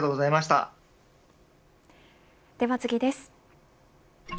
では次です。